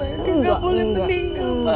anakku nggak boleh meninggal ma